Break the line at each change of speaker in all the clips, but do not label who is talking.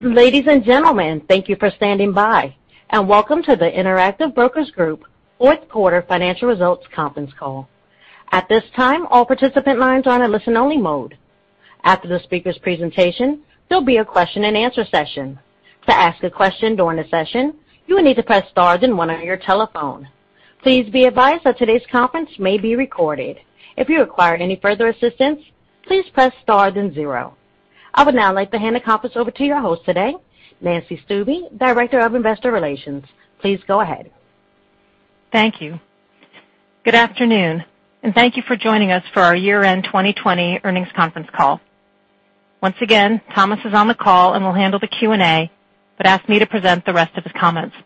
Ladies and gentlemen, thank you for standing by, and welcome to the Interactive Brokers Group Fourth Quarter Financial Results Conference Call. At this time, all participant lines are in listen-only mode. After the speaker's presentation, there'll be a question-and-answer session. To ask a question during the session, you will need to press star then one on your telephone. Please be advised that today's conference may be recorded. If you require any further assistance, please press star then zero. I would now like to hand the conference over to your host today, Nancy Stuebe, Director of Investor Relations. Please go ahead.
Thank you. Good afternoon, and thank you for joining us for our year-end 2020 earnings conference call. Once again, Thomas is on the call and will handle the Q&A, but asked me to present the rest of his comments.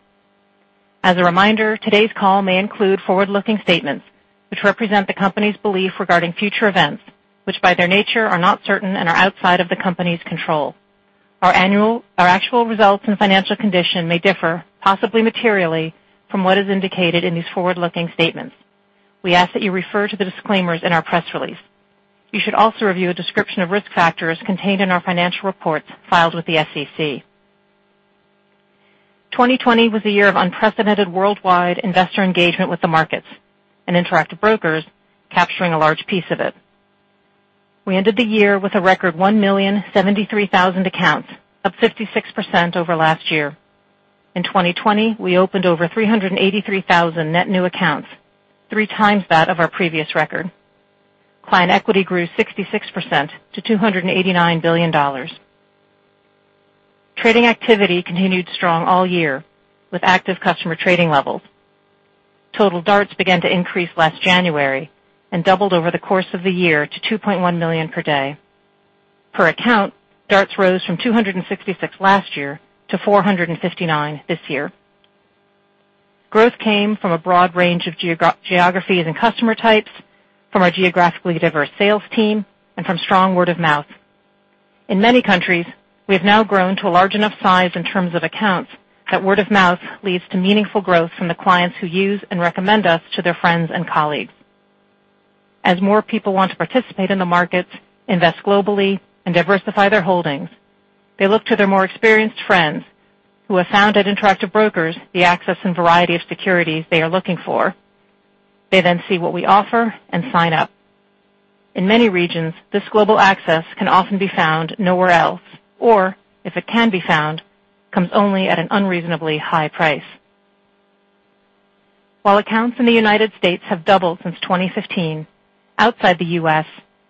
As a reminder, today's call may include forward-looking statements, which represent the company's belief regarding future events, which, by their nature, are not certain and are outside of the company's control. Our actual results and financial condition may differ, possibly materially, from what is indicated in these forward-looking statements. We ask that you refer to the disclaimers in our press release. You should also review a description of risk factors contained in our financial reports filed with the SEC. 2020 was a year of unprecedented worldwide investor engagement with the markets, and Interactive Brokers capturing a large piece of it. We ended the year with a record 1,073,000 accounts, up 56% over last year. In 2020, we opened over 383,000 net new accounts, 3x that of our previous record. Client equity grew 66% to $289 billion. Trading activity continued strong all year with active customer trading levels. Total DARTs began to increase last January and doubled over the course of the year to 2.1 million per day. Per account, DARTs rose from 266 last year to 459 this year. Growth came from a broad range of geographies and customer types, from our geographically diverse sales team, and from strong word of mouth. In many countries, we have now grown to a large enough size in terms of accounts that word of mouth leads to meaningful growth from the clients who use and recommend us to their friends and colleagues. As more people want to participate in the markets, invest globally, and diversify their holdings, they look to their more experienced friends who have found at Interactive Brokers the access and variety of securities they are looking for. They see what we offer and sign up. In many regions, this global access can often be found nowhere else, or if it can be found, comes only at an unreasonably high price. While accounts in the United States have doubled since 2015, outside the U.S.,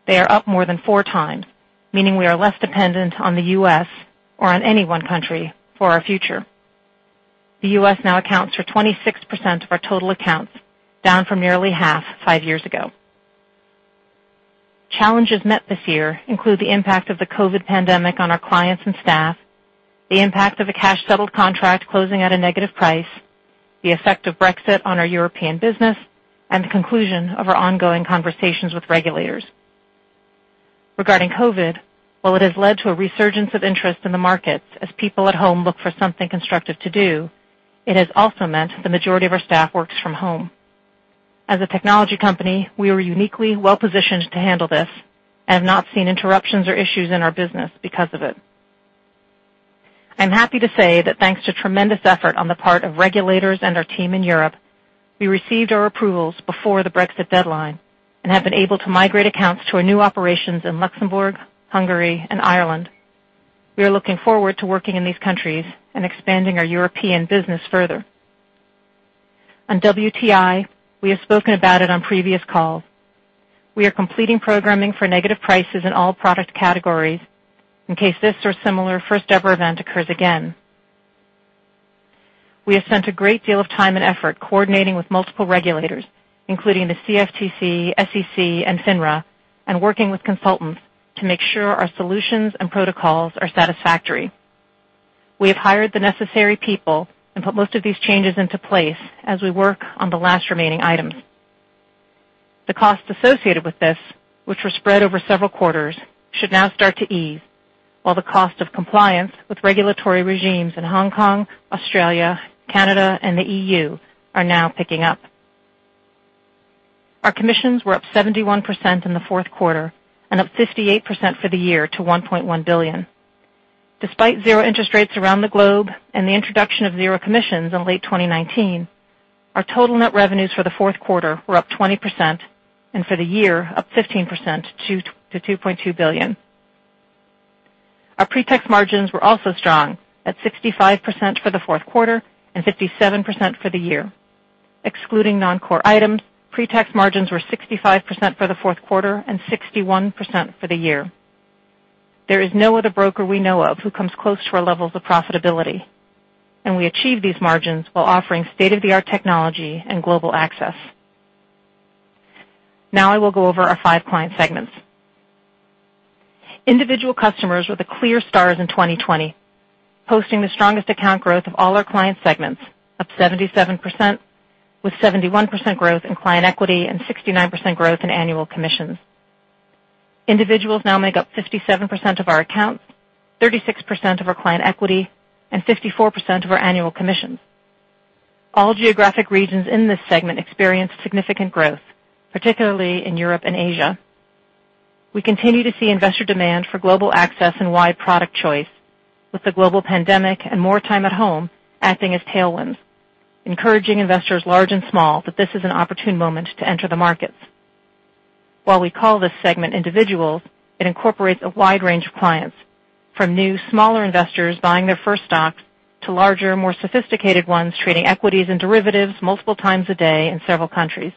they are up more than 4x, meaning we are less dependent on the U.S. or on any one country for our future. The U.S. now accounts for 26% of our total accounts, down from nearly half five years ago. Challenges met this year include the impact of the COVID pandemic on our clients and staff, the impact of a cash-settled contract closing at a negative price, the effect of Brexit on our European business, and the conclusion of our ongoing conversations with regulators. Regarding COVID, while it has led to a resurgence of interest in the markets as people at home look for something constructive to do, it has also meant the majority of our staff works from home. As a technology company, we were uniquely well-positioned to handle this and have not seen interruptions or issues in our business because of it. I'm happy to say that thanks to tremendous effort on the part of regulators and our team in Europe, we received our approvals before the Brexit deadline and have been able to migrate accounts to our new operations in Luxembourg, Hungary, and Ireland. We are looking forward to working in these countries and expanding our European business further. On WTI, we have spoken about it on previous calls. We are completing programming for negative prices in all product categories in case this or a similar first-ever event occurs again. We have spent a great deal of time and effort coordinating with multiple regulators, including the CFTC, SEC, and FINRA, and working with consultants to make sure our solutions and protocols are satisfactory. We have hired the necessary people and put most of these changes into place as we work on the last remaining items. The costs associated with this, which were spread over several quarters, should now start to ease, while the cost of compliance with regulatory regimes in Hong Kong, Australia, Canada, and the EU are now picking up. Our commissions were up 71% in the fourth quarter and up 58% for the year to $1.1 billion. Despite zero interest rates around the globe and the introduction of zero commissions in late 2019, our total net revenues for the fourth quarter were up 20%, and for the year, up 15% to $2.2 billion. Our pre-tax margins were also strong, at 65% for the fourth quarter and 57% for the year. Excluding non-core items, pre-tax margins were 65% for the fourth quarter and 61% for the year. There is no other broker we know of who comes close to our levels of profitability, and we achieve these margins while offering state-of-the-art technology and global access. Now I will go over our five client segments. Individual customers were the clear stars in 2020, posting the strongest account growth of all our client segments, up 77%, with 71% growth in client equity and 69% growth in annual commissions. Individuals now make up 57% of our accounts, 36% of our client equity, and 54% of our annual commissions. All geographic regions in this segment experienced significant growth, particularly in Europe and Asia. We continue to see investor demand for global access and wide product choice, with the global pandemic and more time at home acting as tailwinds, encouraging investors large and small that this is an opportune moment to enter the markets. While we call this segment Individuals, it incorporates a wide range of clients, from new, smaller investors buying their first stocks to larger, more sophisticated ones trading equities and derivatives multiple times a day in several countries.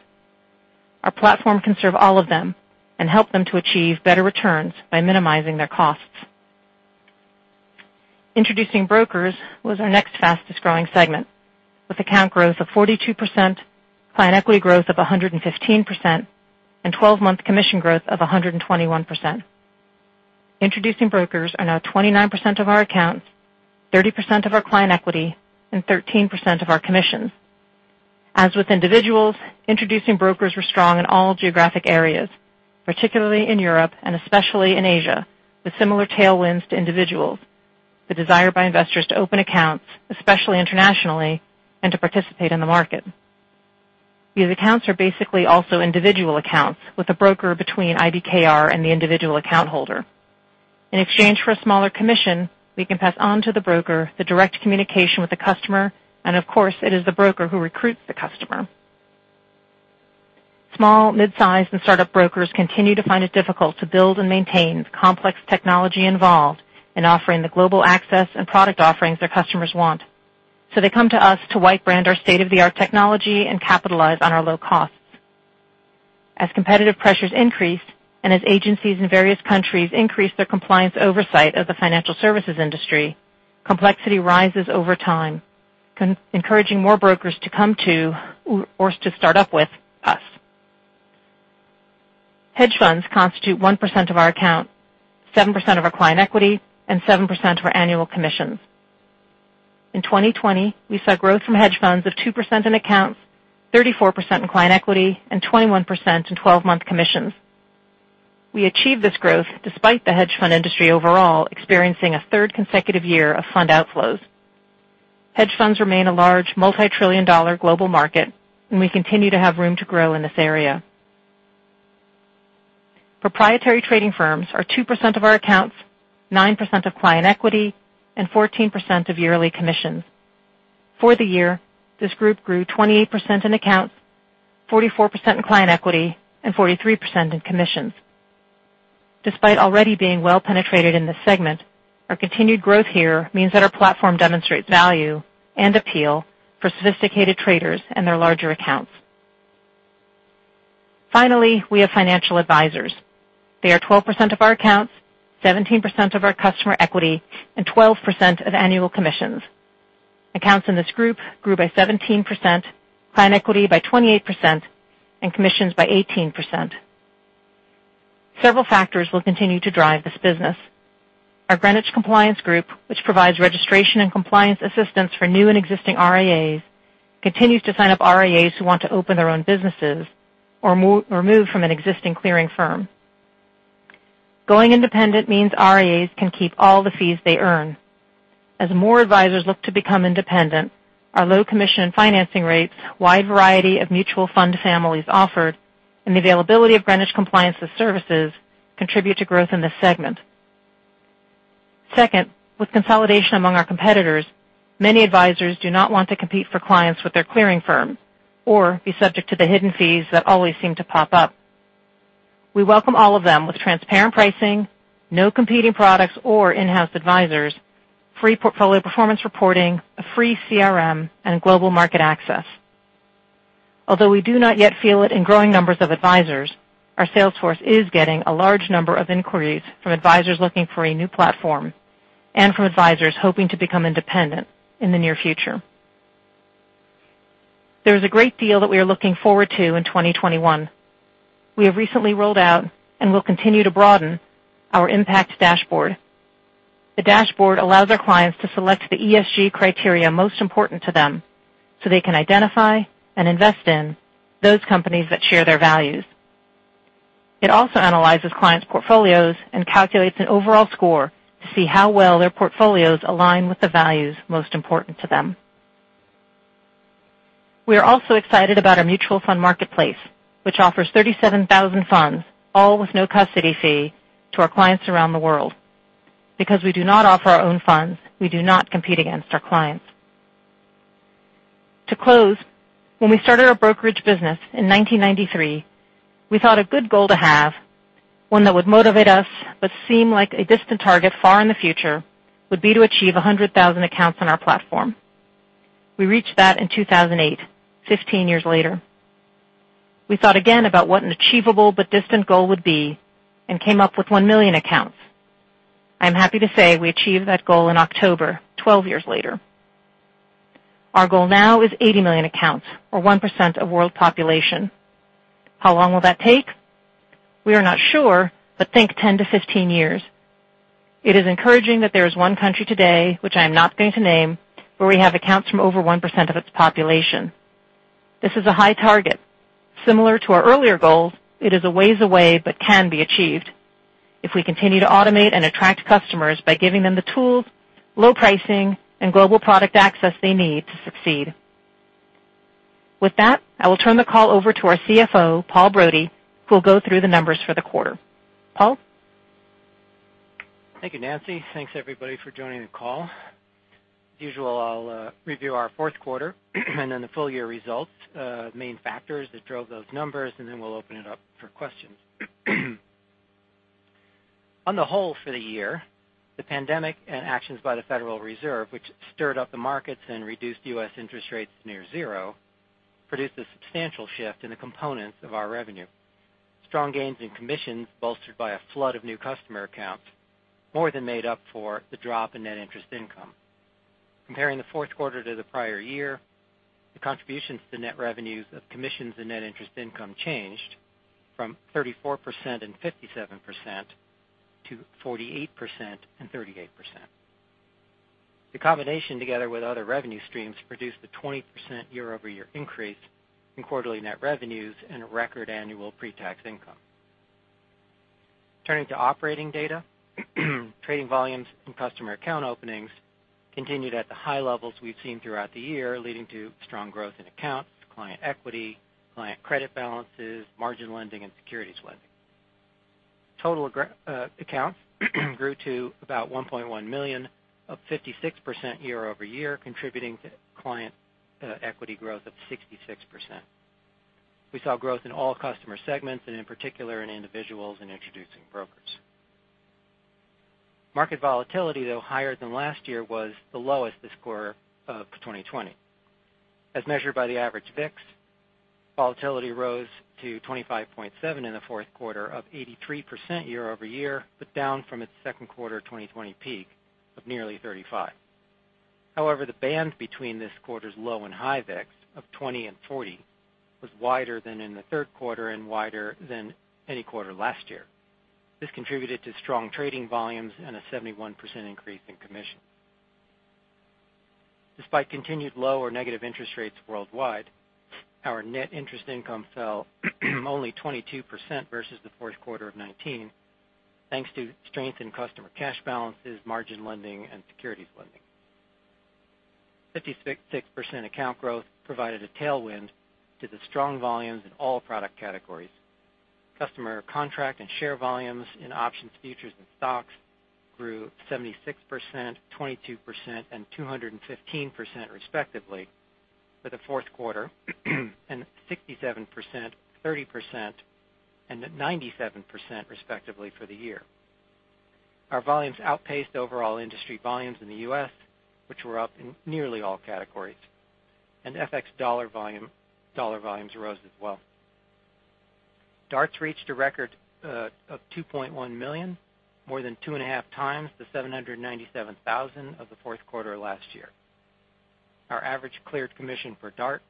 Our platform can serve all of them and help them to achieve better returns by minimizing their costs. Introducing Brokers was our next fastest-growing segment, with account growth of 42%, client equity growth of 115%, and 12-month commission growth of 121%. Introducing Brokers are now 29% of our accounts, 30% of our client equity, and 13% of our commissions. As with Individuals, Introducing Brokers were strong in all geographic areas, particularly in Europe and especially in Asia, with similar tailwinds to Individuals. The desire by investors to open accounts, especially internationally, and to participate in the market. These accounts are basically also individual accounts with a broker between IBKR and the individual account holder. In exchange for a smaller commission, we can pass on to the broker the direct communication with the customer, and of course, it is the broker who recruits the customer. Small, midsize, and start-up brokers continue to find it difficult to build and maintain the complex technology involved in offering the global access and product offerings their customers want. They come to us to white brand our state-of-the-art technology and capitalize on our low costs. As competitive pressures increase and as agencies in various countries increase their compliance oversight of the financial services industry, complexity rises over time, encouraging more brokers to come to or to start up with us. Hedge funds constitute 1% of our accounts, 7% of our client equity, and 7% of our annual commissions. In 2020, we saw growth from hedge funds of 2% in accounts, 34% in client equity, and 21% in 12-month commissions. We achieved this growth despite the hedge fund industry overall experiencing a third consecutive year of fund outflows. Hedge funds remain a large multi-trillion-dollar global market. We continue to have room to grow in this area. Proprietary Trading Firms are 2% of our accounts, 9% of client equity, and 14% of yearly commissions. For the year, this group grew 28% in accounts, 44% in client equity, and 43% in commissions. Despite already being well-penetrated in this segment, our continued growth here means that our platform demonstrates value and appeal for sophisticated traders and their larger accounts. Finally, we have Financial Advisors. They are 12% of our accounts, 17% of our customer equity, and 12% of annual commissions. Accounts in this group grew by 17%, client equity by 28%, and commissions by 18%. Several factors will continue to drive this business. Our Greenwich Compliance Group, which provides registration and compliance assistance for new and existing RIAs, continues to sign up RIAs who want to open their own businesses or move from an existing clearing firm. Going independent means RIAs can keep all the fees they earn. As more advisors look to become independent, our low commission and financing rates, wide variety of mutual fund families offered, and the availability of Greenwich Compliance's services contribute to growth in this segment. Second, with consolidation among our competitors, many advisors do not want to compete for clients with their clearing firm or be subject to the hidden fees that always seem to pop up. We welcome all of them with transparent pricing, no competing products or in-house advisors, free portfolio performance reporting, a free CRM, and global market access. Although we do not yet feel it in growing numbers of advisors, our sales force is getting a large number of inquiries from advisors looking for a new platform and from advisors hoping to become independent in the near future. There is a great deal that we are looking forward to in 2021. We have recently rolled out and will continue to broaden our Impact Dashboard. The dashboard allows our clients to select the ESG criteria most important to them so they can identify and invest in those companies that share their values. It also analyzes clients' portfolios and calculates an overall score to see how well their portfolios align with the values most important to them. We are also excited about our Mutual Fund Marketplace, which offers 37,000 funds, all with no custody fee, to our clients around the world. Because we do not offer our own funds, we do not compete against our clients. To close, when we started our brokerage business in 1993, we thought a good goal to have, one that would motivate us but seem like a distant target far in the future, would be to achieve 100,000 accounts on our platform. We reached that in 2008, 15 years later. We thought again about what an achievable but distant goal would be and came up with 1 million accounts. I'm happy to say we achieved that goal in October, 12 years later. Our goal now is 80 million accounts or 1% of world population. How long will that take? We are not sure, but think 10-15 years. It is encouraging that there is one country today, which I am not going to name, where we have accounts from over 1% of its population. This is a high target. Similar to our earlier goals, it is a ways away, but can be achieved if we continue to automate and attract customers by giving them the tools, low pricing, and global product access they need to succeed. With that, I will turn the call over to our CFO, Paul Brody, who will go through the numbers for the quarter. Paul?
Thank you, Nancy. Thanks, everybody, for joining the call. As usual, I'll review our fourth quarter and then the full-year results, main factors that drove those numbers, and then we'll open it up for questions. On the whole for the year, the pandemic and actions by the Federal Reserve, which stirred up the markets and reduced U.S. interest rates near zero, produced a substantial shift in the components of our revenue. Strong gains in commissions bolstered by a flood of new customer accounts more than made up for the drop in net interest income. Comparing the fourth quarter to the prior year, the contributions to net revenues of commissions and net interest income changed from 34% and 57% to 48% and 38%. The combination, together with other revenue streams, produced a 20% year-over-year increase in quarterly net revenues and a record annual pre-tax income. Turning to operating data, trading volumes and customer account openings continued at the high levels we've seen throughout the year, leading to strong growth in accounts, client equity, client credit balances, margin lending, and securities lending. Total accounts grew to about 1.1 million, up 56% year-over-year, contributing to client equity growth of 66%. We saw growth in all customer segments, and in particular, in Individuals and Introducing Brokers. Market volatility, though higher than last year, was the lowest this quarter of 2020. As measured by the average VIX, volatility rose to 25.7 in the fourth quarter of 83% year-over-year, but down from its second quarter 2020 peak of nearly 35. However, the band between this quarter's low and high VIX of 20 and 40 was wider than in the third quarter and wider than any quarter last year. This contributed to strong trading volumes and a 71% increase in commission. Despite continued low or negative interest rates worldwide, our net interest income fell only 22% versus the fourth quarter of 2019, thanks to strength in customer cash balances, margin lending, and securities lending. 56% account growth provided a tailwind to the strong volumes in all product categories. Customer contract and share volumes in options, futures, and stocks grew 76%, 22%, and 215% respectively for the fourth quarter, and 67%, 30%, and 97% respectively for the year. Our volumes outpaced overall industry volumes in the U.S., which were up in nearly all categories. FX dollar volumes rose as well. DARTs reached a record of 2.1 million, more than 2.5x the 797,000 of the fourth quarter last year. Our average cleared commission for DART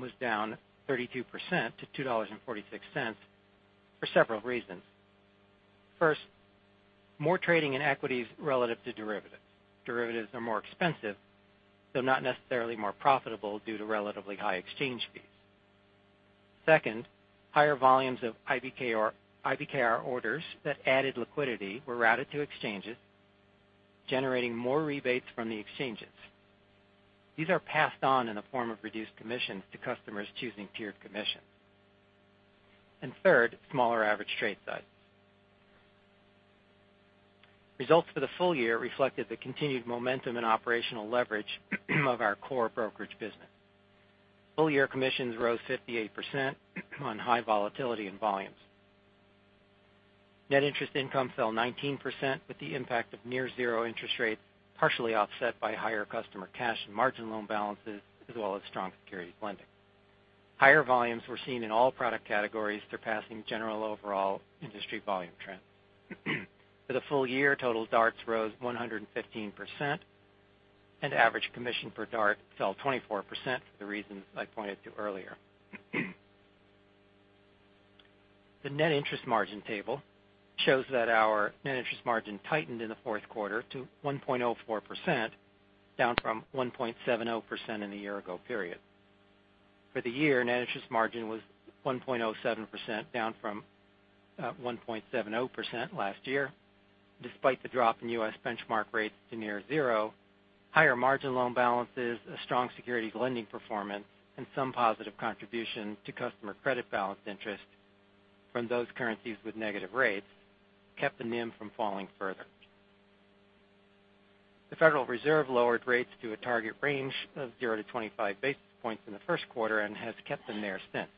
was down 32% to $2.46 for several reasons. First, more trading in equities relative to derivatives. Derivatives are more expensive, though not necessarily more profitable due to relatively high exchange fees. Second, higher volumes of IBKR orders that added liquidity were routed to exchanges, generating more rebates from the exchanges. These are passed on in the form of reduced commissions to customers choosing tiered commissions. Third, smaller average trade size. Results for the full year reflected the continued momentum and operational leverage of our core brokerage business. Full-year commissions rose 58% on high volatility and volumes. Net interest income fell 19% with the impact of near zero interest rates, partially offset by higher customer cash and margin loan balances, as well as strong securities lending. Higher volumes were seen in all product categories, surpassing general overall industry volume trends. For the full year, total DARTs rose 115%, and average commission per DART fell 24% for the reasons I pointed to earlier. The net interest margin table shows that our net interest margin tightened in the fourth quarter to 1.04%, down from 1.70% in the year-ago period. For the year, net interest margin was 1.07%, down from 1.70% last year. Despite the drop in U.S. benchmark rates to near zero, higher margin loan balances, a strong securities lending performance, and some positive contribution to customer credit balance interest from those currencies with negative rates kept the NIM from falling further. The Federal Reserve lowered rates to a target range of 0-25 basis points in the first quarter and has kept them there since.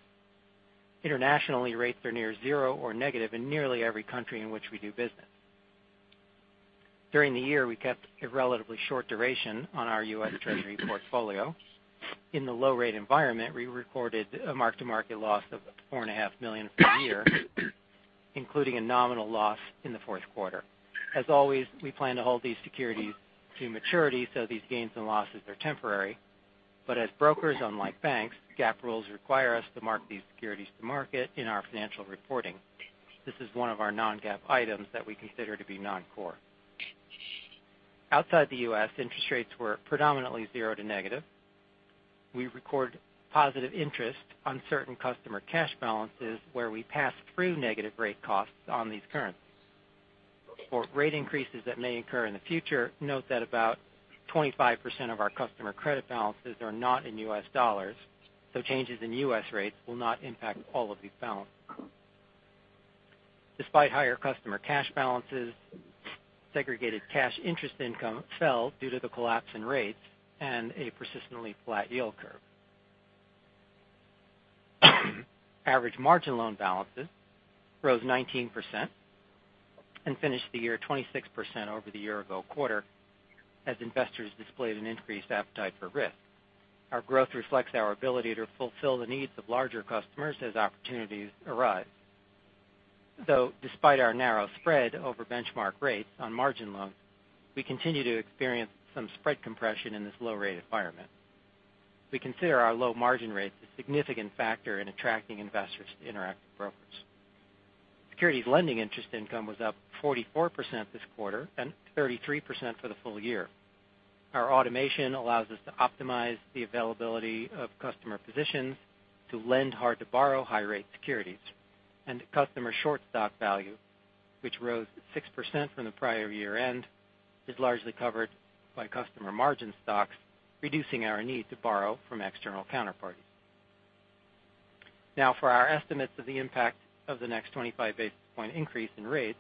Internationally, rates are near zero or negative in nearly every country in which we do business. During the year, we kept a relatively short duration on our U.S. Treasury portfolio. In the low-rate environment, we recorded a mark-to-market loss of $4.5 million for the year, including a nominal loss in the fourth quarter. As always, we plan to hold these securities to maturity so these gains and losses are temporary. As brokers, unlike banks, GAAP rules require us to mark these securities to market in our financial reporting. This is one of our non-GAAP items that we consider to be non-core. Outside the U.S., interest rates were predominantly zero to negative. We record positive interest on certain customer cash balances where we pass through negative rate costs on these currencies. For rate increases that may occur in the future, note that about 25% of our customer credit balances are not in U.S. dollars, so changes in U.S. rates will not impact all of these balances. Despite higher customer cash balances, segregated cash interest income fell due to the collapse in rates and a persistently flat yield curve. Average margin loan balances rose 19% and finished the year 26% over the year-ago quarter as investors displayed an increased appetite for risk. Our growth reflects our ability to fulfill the needs of larger customers as opportunities arise. Despite our narrow spread over benchmark rates on margin loans, we continue to experience some spread compression in this low-rate environment. We consider our low margin rates a significant factor in attracting investors to Interactive Brokers. Securities lending interest income was up 44% this quarter, and 33% for the full year. Our automation allows us to optimize the availability of customer positions to lend hard-to-borrow high-rate securities. The customer short stock value, which rose 6% from the prior year-end, is largely covered by customer margin stocks, reducing our need to borrow from external counterparties. Now, for our estimates of the impact of the next 25 basis point increase in rates.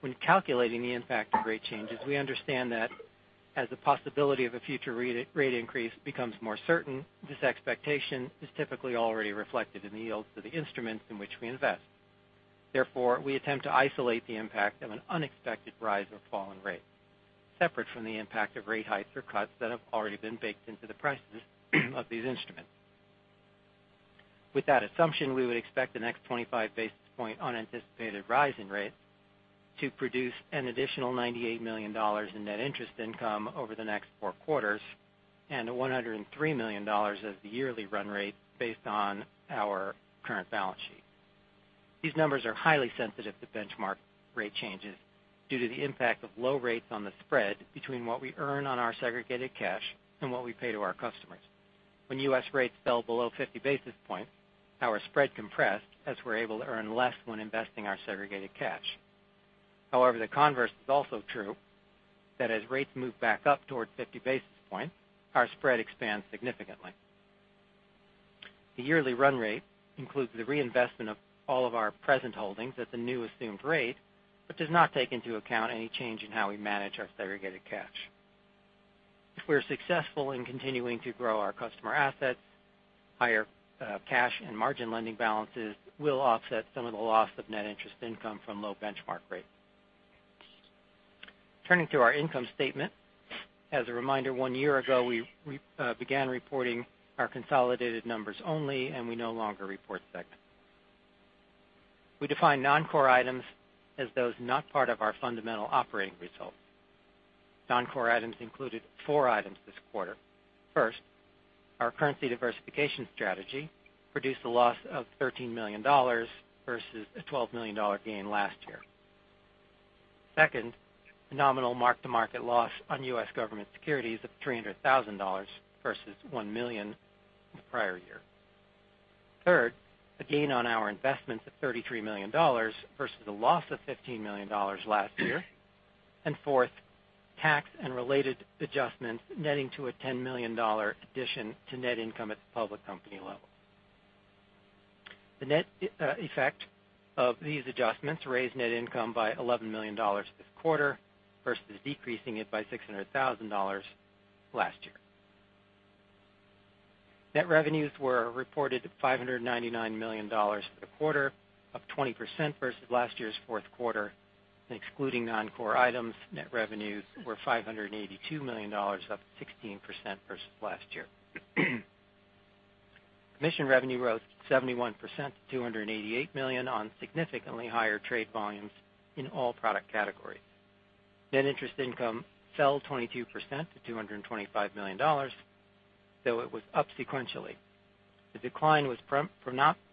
When calculating the impact of rate changes, we understand that as the possibility of a future rate increase becomes more certain, this expectation is typically already reflected in the yields of the instruments in which we invest. Therefore, we attempt to isolate the impact of an unexpected rise or fall in rates, separate from the impact of rate hikes or cuts that have already been baked into the prices of these instruments. With that assumption, we would expect the next 25 basis point unanticipated rise in rates to produce an additional $98 million in net interest income over the next four quarters, and $103 million as the yearly run rate based on our current balance sheet. These numbers are highly sensitive to benchmark rate changes due to the impact of low rates on the spread between what we earn on our segregated cash and what we pay to our customers. When U.S. rates fell below 50 basis points, our spread compressed, as we're able to earn less when investing our segregated cash. However, the converse is also true, that as rates move back up towards 50 basis points, our spread expands significantly. The yearly run rate includes the reinvestment of all of our present holdings at the new assumed rate, but does not take into account any change in how we manage our segregated cash. If we're successful in continuing to grow our customer assets, higher cash and margin lending balances will offset some of the loss of net interest income from low benchmark rates. Turning to our income statement. As a reminder, one year ago, we began reporting our consolidated numbers only, and we no longer report segments. We define non-core items as those not part of our fundamental operating results. Non-core items included four items this quarter. First, our currency diversification strategy produced a loss of $13 million versus a $12 million gain last year. Second, a nominal mark-to-market loss on U.S. government securities of $300,000 versus $1 million the prior year. Third, a gain on our investments of $33 million versus a loss of $15 million last year. Fourth, tax and related adjustments netting to a $10 million addition to net income at the public company level. The net effect of these adjustments raised net income by $11 million this quarter versus decreasing it by $600,000 last year. Net revenues were reported at $599 million for the quarter, up 20% versus last year's fourth quarter. Excluding non-core items, net revenues were $582 million, up 16% versus last year. Commission revenue rose 71% to $288 million on significantly higher trade volumes in all product categories. Net interest income fell 22% to $225 million, though it was up sequentially. The decline was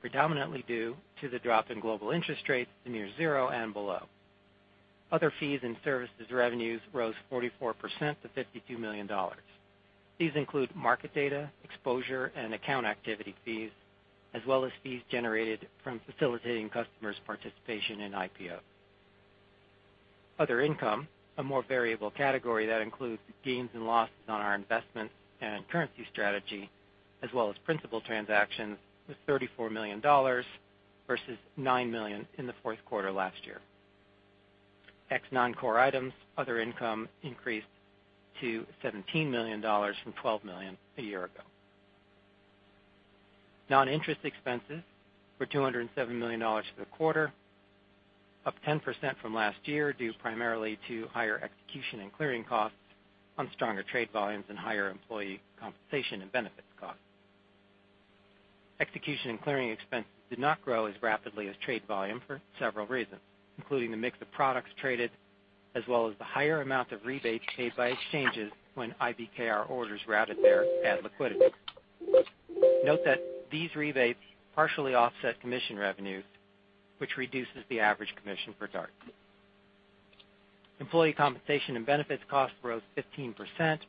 predominantly due to the drop in global interest rates to near zero and below. Other fees and services revenues rose 44% to $52 million. These include market data, exposure, and account activity fees, as well as fees generated from facilitating customers' participation in IPOs. Other income, a more variable category that includes gains and losses on our investments and currency strategy, as well as principal transactions, was $34 million versus $9 million in the fourth quarter last year. Ex non-core items, other income increased to $17 million from $12 million a year ago. Non-interest expenses were $207 million for the quarter, up 10% from last year, due primarily to higher execution and clearing costs on stronger trade volumes and higher employee compensation and benefits costs. Execution and clearing expenses did not grow as rapidly as trade volume for several reasons, including the mix of products traded, as well as the higher amount of rebates paid by exchanges when IBKR orders routed there add liquidity. Note that these rebates partially offset commission revenues, which reduces the average commission for DARTs. Employee compensation and benefits costs rose 15%,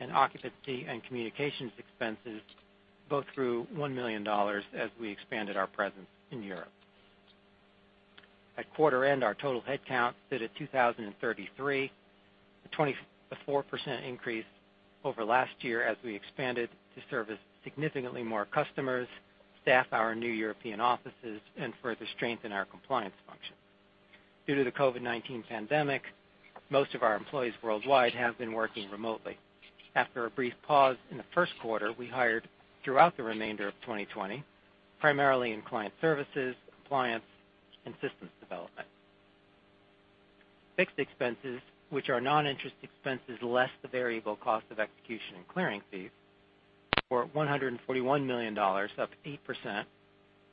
and occupancy and communications expenses both through $1 million as we expanded our presence in Europe. At quarter end, our total headcount stood at 2,033, a 24% increase over last year as we expanded to service significantly more customers, staff our new European offices, and further strengthen our compliance function. Due to the COVID-19 pandemic, most of our employees worldwide have been working remotely. After a brief pause in the first quarter, we hired throughout the remainder of 2020, primarily in client services, compliance, and systems development. Fixed expenses, which are non-interest expenses less the variable cost of execution and clearing fees, were $141 million, up 8%,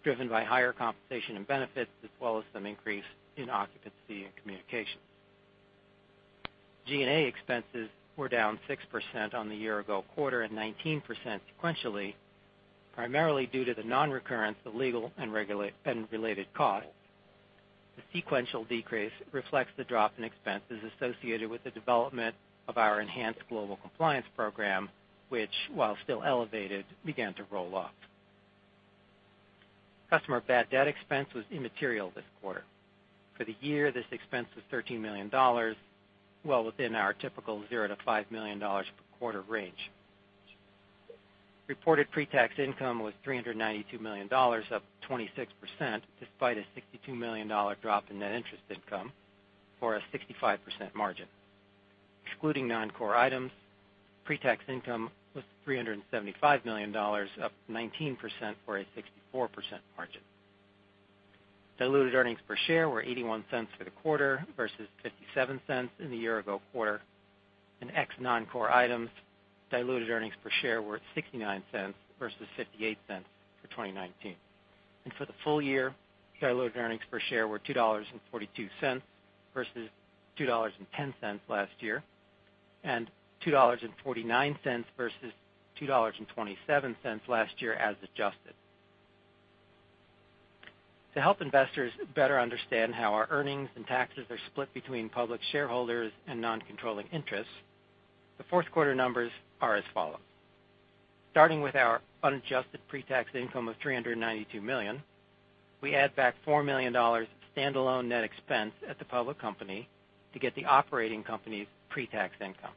driven by higher compensation and benefits, as well as some increase in occupancy and communications. G&A expenses were down 6% on the year ago quarter and 19% sequentially, primarily due to the non-recurrence of legal and related costs. The sequential decrease reflects the drop in expenses associated with the development of our enhanced global compliance program, which while still elevated, began to roll off. Customer bad debt expense was immaterial this quarter. For the year, this expense was $13 million, well within our typical $0-$5 million per quarter range. Reported pre-tax income was $392 million, up 26%, despite a $62 million drop in net interest income or a 65% margin. Excluding non-core items, pre-tax income was $375 million, up 19%, or a 64% margin. Diluted earnings per share were $0.81 for the quarter versus $0.57 in the year ago quarter. Ex non-core items, diluted earnings per share were $0.69 versus $0.58 for 2019. For the full year, diluted earnings per share were $2.42 versus $2.10 last year, and $2.49 versus $2.27 last year as adjusted. To help investors better understand how our earnings and taxes are split between public shareholders and non-controlling interests, the fourth quarter numbers are as follows. Starting with our unadjusted pre-tax income of $392 million, we add back $4 million of stand-alone net expense at the public company to get the operating company's pre-tax income.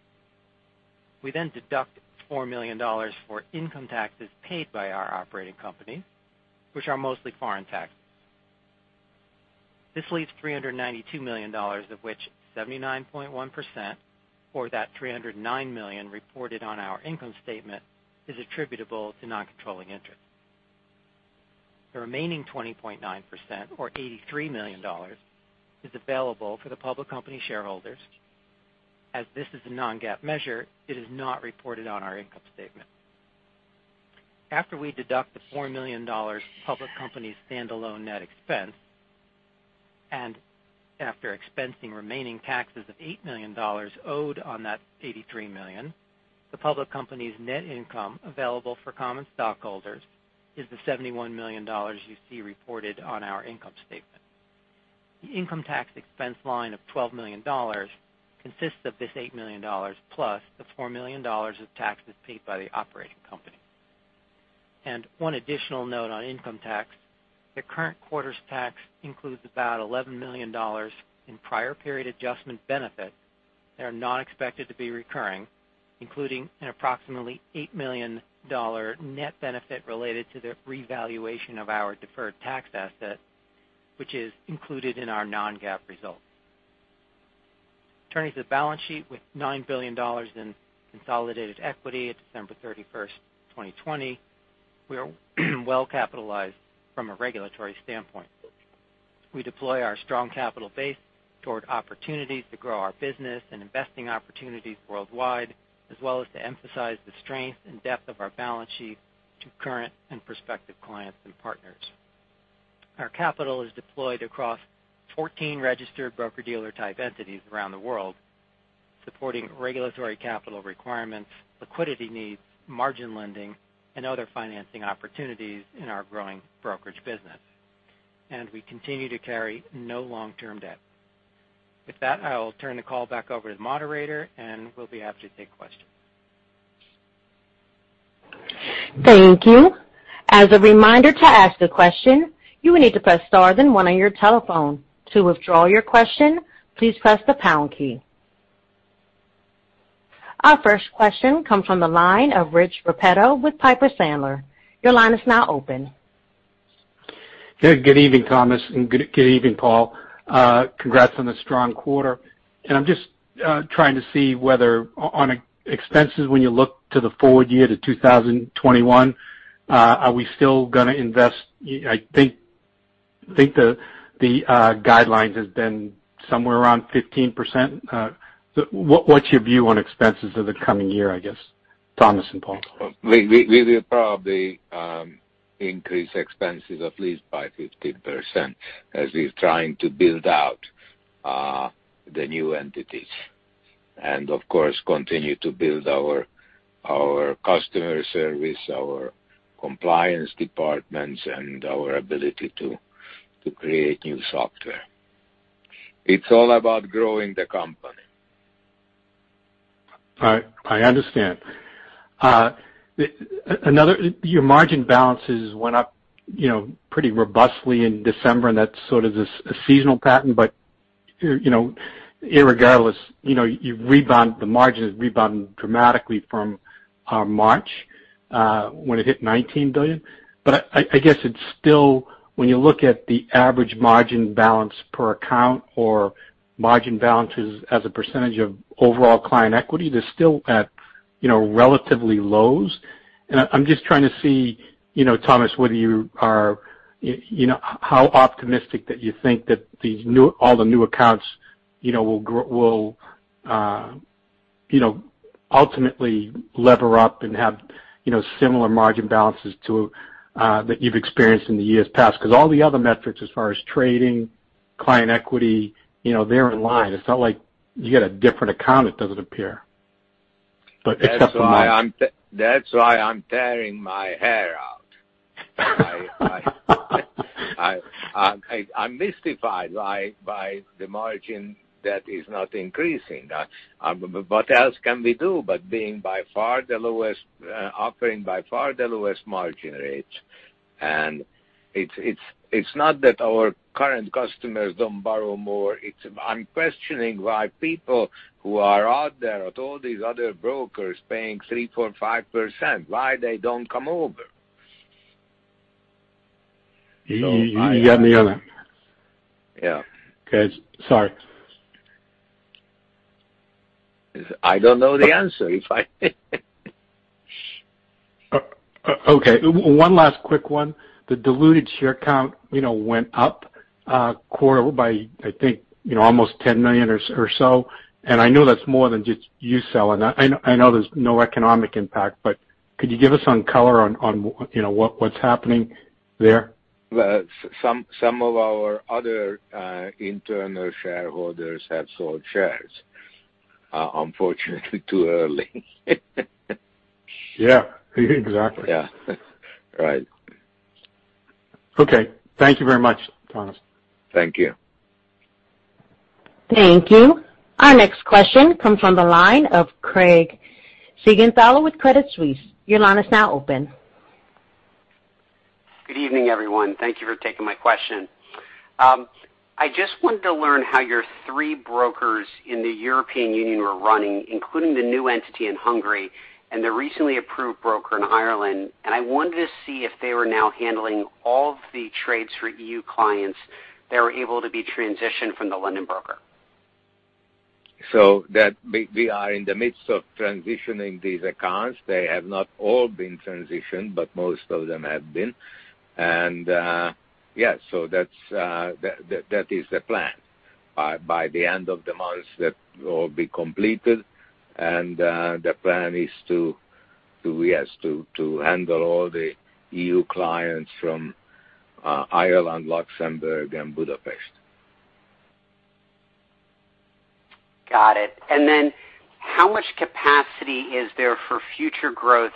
We then deduct $4 million for income taxes paid by our operating company, which are mostly foreign taxes. This leaves $392 million, of which 79.1%, or that $309 million reported on our income statement, is attributable to non-controlling interests. The remaining 20.9%, or $83 million, is available for the public company shareholders. As this is a non-GAAP measure, it is not reported on our income statement. After we deduct the $4 million public company's stand-alone net expense, and after expensing remaining taxes of $8 million owed on that $83 million, the public company's net income available for common stockholders is the $71 million you see reported on our income statement. The income tax expense line of $12 million consists of this $8 million plus the $4 million of taxes paid by the operating company. One additional note on income tax, the current quarter's tax includes about $11 million in prior period adjustment benefit that are not expected to be recurring, including an approximately $8 million net benefit related to the revaluation of our deferred tax asset, which is included in our non-GAAP results. Turning to the balance sheet with $9 billion in consolidated equity at December 31st, 2020, we are well-capitalized from a regulatory standpoint. We deploy our strong capital base toward opportunities to grow our business and investing opportunities worldwide, as well as to emphasize the strength and depth of our balance sheet to current and prospective clients and partners. Our capital is deployed across 14 registered broker-dealer type entities around the world, supporting regulatory capital requirements, liquidity needs, margin lending, and other financing opportunities in our growing brokerage business. We continue to carry no long-term debt. With that, I'll turn the call back over to the moderator, and we'll be happy to take questions.
Thank you. As a reminder, to ask a question, you will need to press star then one on your telephone. To withdraw your question, please press the pound key. Our first question comes from the line of Rich Repetto with Piper Sandler. Your line is now open.
Good evening, Thomas, and good evening, Paul. Congrats on the strong quarter. I'm just trying to see whether on expenses when you look to the forward year to 2021, are we still going to invest? I think the guidelines has been somewhere around 15%. What's your view on expenses of the coming year, I guess, Thomas and Paul?
We will probably increase expenses at least by 15% as we're trying to build out the new entities. Of course, continue to build our customer service, our compliance departments, and our ability to create new software. It's all about growing the company.
All right. I understand. Your margin balances went up pretty robustly in December, and that's sort of a seasonal pattern. Regardless, the margin has rebounded dramatically from March, when it hit $19 billion. I guess it's still, when you look at the average margin balance per account or margin balances as a percentage of overall client equity, they're still at relatively lows. I'm just trying to see, Thomas, how optimistic that you think that all the new accounts will ultimately lever up and have similar margin balances that you've experienced in the years past, because all the other metrics as far as trading, client equity, they're in line. It's not like you get a different account, it doesn't appear. Except for margin.
That's why I'm tearing my hair out. I'm mystified by the margin that is not increasing. What else can we do but being by far the lowest offering, by far the lowest margin rates? It's not that our current customers don't borrow more, I'm questioning why people who are out there at all these other brokers paying 3%, 4%, 5%, why they don't come over.
You got me on that.
Yeah.
Okay. Sorry.
I don't know the answer if I.
Okay. One last quick one. The diluted share count went up quarter by, I think, almost $10 million or so. I know that's more than just you selling. I know there's no economic impact, but could you give us some color on what's happening there?
Some of our other internal shareholders have sold shares, unfortunately, too early.
Yeah, exactly.
Yeah. Right.
Okay. Thank you very much, Thomas.
Thank you.
Thank you. Our next question comes from the line of Craig Siegenthaler with Credit Suisse. Your line is now open.
Good evening, everyone. Thank you for taking my question. I just wanted to learn how your three brokers in the European Union were running, including the new entity in Hungary and the recently approved broker in Ireland. I wanted to see if they were now handling all of the trades for EU clients that were able to be transitioned from the London broker.
We are in the midst of transitioning these accounts. They have not all been transitioned, but most of them have been. Yeah, that is the plan. By the end of the month that will be completed, and the plan is to handle all the EU clients from Ireland, Luxembourg, and Budapest.
Got it. How much capacity is there for future growth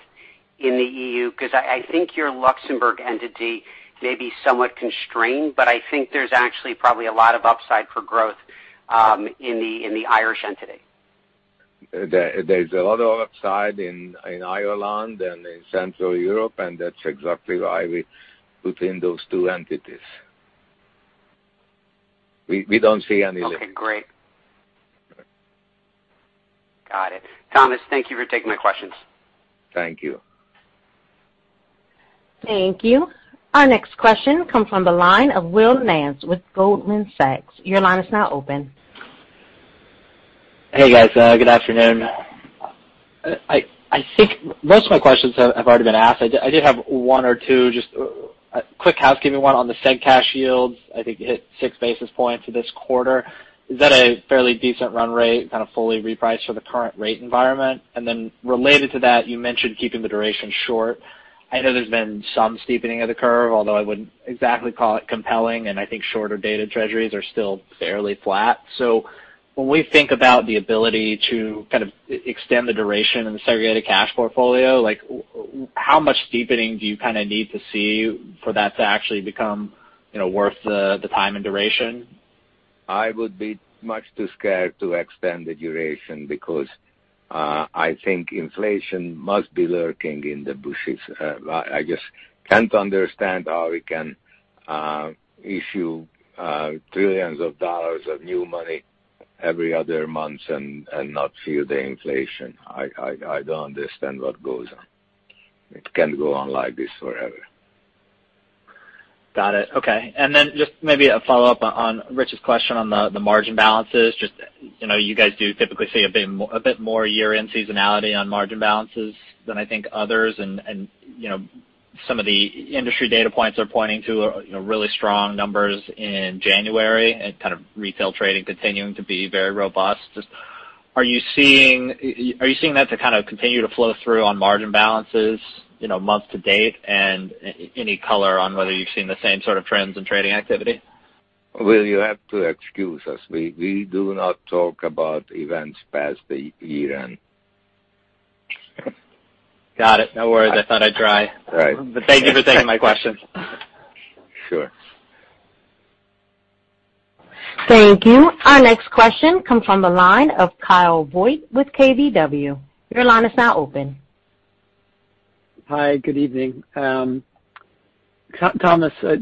in the EU? Because I think your Luxembourg entity may be somewhat constrained, but I think there's actually probably a lot of upside for growth in the Irish entity.
There's a lot of upside in Ireland and in Central Europe, and that's exactly why we put in those two entities. We don't see anything.
Okay, great. Got it. Thomas, thank you for taking my questions.
Thank you.
Thank you. Our next question comes from the line of Will Nance with Goldman Sachs. Your line is now open.
Hey, guys. Good afternoon. I think most of my questions have already been asked. I did have one or two. Just a quick housekeeping one on the seg cash yields. I think it hit 6 basis points for this quarter. Is that a fairly decent run rate, kind of fully repriced for the current rate environment? Related to that, you mentioned keeping the duration short. I know there's been some steepening of the curve, although I wouldn't exactly call it compelling, and I think shorter-dated treasuries are still fairly flat. When we think about the ability to extend the duration in the segregated cash portfolio, how much steepening do you need to see for that to actually become worth the time and duration?
I would be much too scared to extend the duration because I think inflation must be lurking in the bushes. I just can't understand how we can issue trillions of dollars of new money every other month and not feel the inflation. I don't understand what goes on. It can't go on like this forever.
Got it. Okay. Then just maybe a follow-up on Rich's question on the margin balances. You guys do typically see a bit more year-end seasonality on margin balances than I think others, and some of the industry data points are pointing to really strong numbers in January and retail trading continuing to be very robust. Are you seeing that to continue to flow through on margin balances month-to-date? Any color on whether you've seen the same sort of trends in trading activity?
You have to excuse us. We do not talk about events past the year end.
Got it. No worries. I thought I'd try.
Right.
Thank you for taking my question.
Sure.
Thank you. Our next question comes from the line of Kyle Voigt with KBW. Your line is now open.
Hi, good evening. Thomas,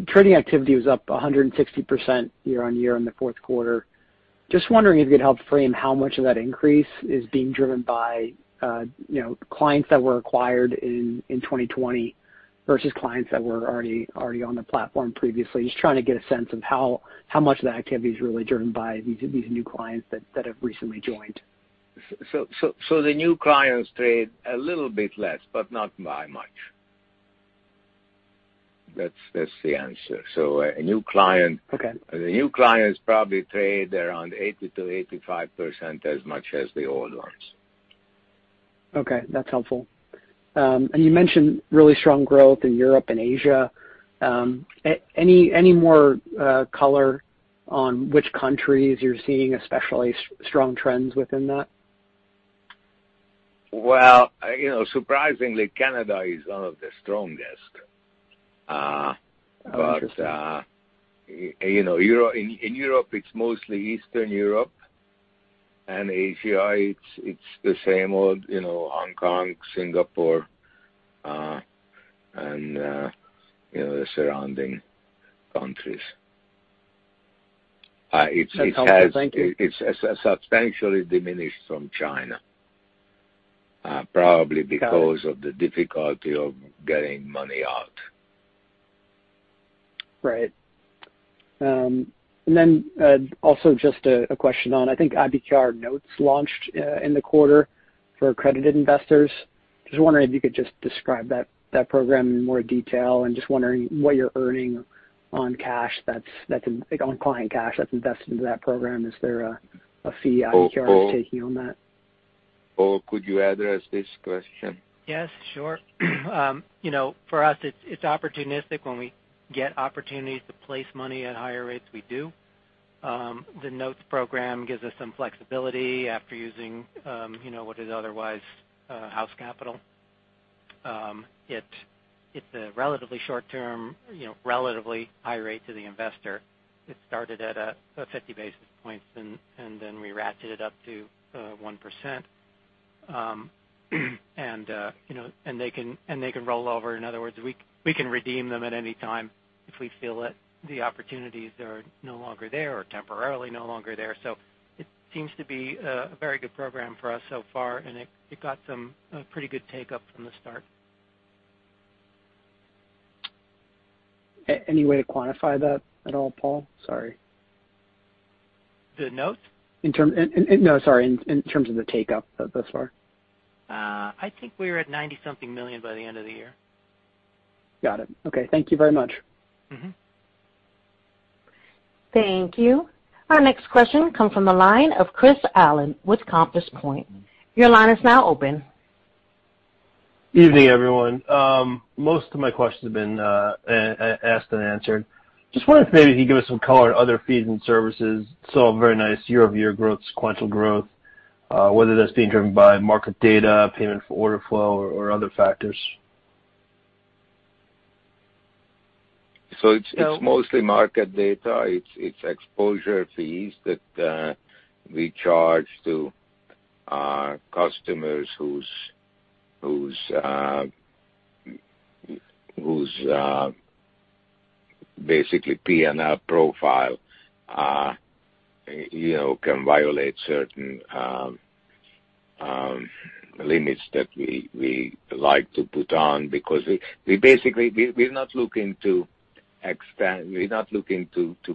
trading activity was up 160% year-on-year in the fourth quarter. Just wondering if you could help frame how much of that increase is being driven by clients that were acquired in 2020 versus clients that were already on the platform previously. Just trying to get a sense of how much of that activity is really driven by these new clients that have recently joined.
The new clients trade a little bit less, but not by much. That's the answer.
Okay.
The new clients probably trade around 80%-85% as much as the old ones.
Okay. That's helpful. You mentioned really strong growth in Europe and Asia. Any more color on which countries you're seeing especially strong trends within that?
Well, surprisingly, Canada is one of the strongest.
Interesting.
In Europe, it's mostly Eastern Europe, and Asia, it's the same old Hong Kong, Singapore, and the surrounding countries.
That's helpful. Thank you.
It's substantially diminished from China, probably because of the difficulty of getting money out.
Right. Also just a question on, I think IBKR Notes launched in the quarter for accredited investors. Just wondering if you could just describe that program in more detail and just wondering what you're earning on client cash that's invested into that program. Is there a fee IBKR is taking on that?
Paul, could you address this question?
Yes, sure. For us, it's opportunistic. When we get opportunities to place money at higher rates, we do. The Notes program gives us some flexibility after using what is otherwise house capital. It's a relatively short-term, relatively high rate to the investor. It started at a 50 basis points, and then we ratcheted it up to 1%. They can roll over. In other words, we can redeem them at any time if we feel that the opportunities are no longer there or temporarily no longer there. It seems to be a very good program for us so far, and it got some pretty good take-up from the start.
Any way to quantify that at all, Paul? Sorry.
The Notes?
No, sorry, in terms of the take-up thus far.
I think we were at $90-something million by the end of the year.
Got it. Okay. Thank you very much.
Thank you. Our next question comes from the line of Chris Allen with Compass Point. Your line is now open.
Evening, everyone. Most of my questions have been asked and answered. Just wonder if maybe you could give us some color on other fees and services. Saw very nice year-over-year growth, sequential growth, whether that's being driven by market data, payment for order flow, or other factors.
It's mostly market data. It's exposure fees that we charge to our customers whose basically P&L profile can violate certain limits that we like to put on because we're not looking to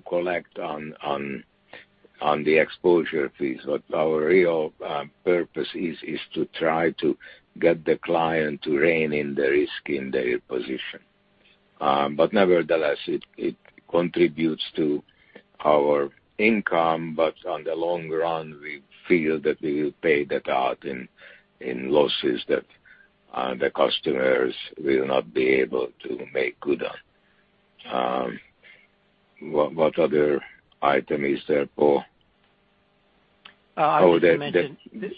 collect on the exposure fees. What our real purpose is to try to get the client to rein in the risk in their position. Nevertheless, it contributes to our income. On the long run, we feel that we will pay that out in losses that the customers will not be able to make good on. What other item is there, Paul?
I was going to mention.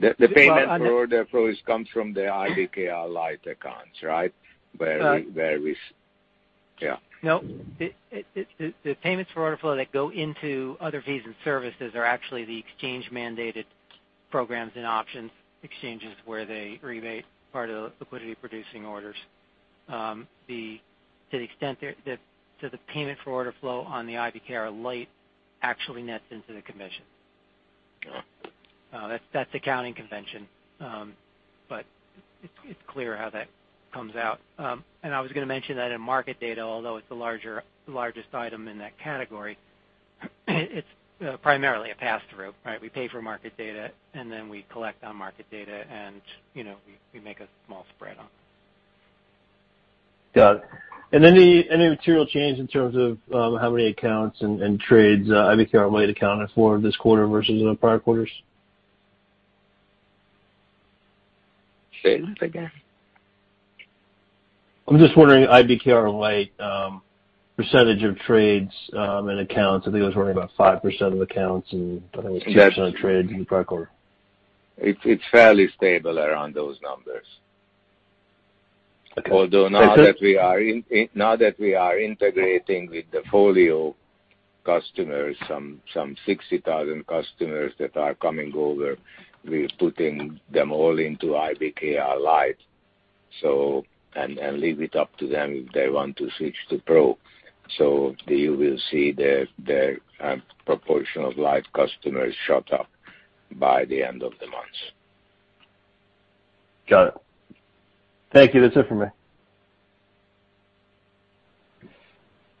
The payment for order flow comes from the IBKR Lite accounts, right? Yeah.
No. The payments for order flow that go into other fees and services are actually the exchange-mandated programs and options exchanges where they rebate part of the liquidity producing orders. The payment for order flow on the IBKR Lite actually nets into the commission.
Got it.
That's accounting convention, but it's clear how that comes out. I was going to mention that in market data, although it's the largest item in that category, it's primarily a pass-through, right? We pay for market data, and then we collect on market data, and we make a small spread on it.
Got it. Any material change in terms of how many accounts and trades IBKR Lite accounted for this quarter versus the prior quarters?
Say it again.
I'm just wondering, IBKR Lite percentage of trades and accounts. I think I was reading about 5% of accounts and I think it was less on trades in the prior quarter.
It's fairly stable around those numbers. Now that we are integrating with the Folio customers, some 60,000 customers that are coming over, we're putting them all into IBKR Lite, and leave it up to them if they want to switch to Pro. You will see the proportion of Lite customers shot up by the end of the month.
Got it. Thank you. That's it for me.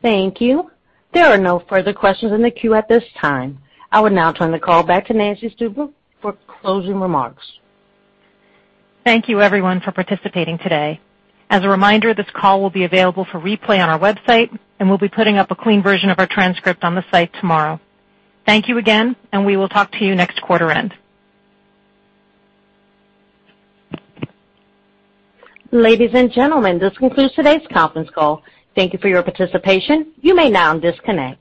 Thank you. There are no further questions in the queue at this time. I would now turn the call back to Nancy Stuebe for closing remarks.
Thank you everyone for participating today. As a reminder, this call will be available for replay on our website, and we'll be putting up a clean version of our transcript on the site tomorrow. Thank you again, and we will talk to you next quarter end.
Ladies and gentlemen, this concludes today's conference call. Thank you for your participation. You may now disconnect.